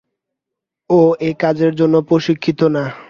ও এই কাজের জন্য প্রশিক্ষিত না।